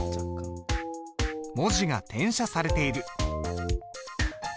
文字が転写されている。